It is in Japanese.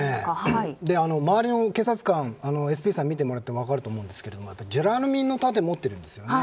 周りの警察官ＳＰさん見てもらっても分かると思うんですがジュラルミンの盾を持っているんですよね。